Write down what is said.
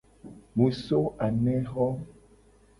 Mu so anexo.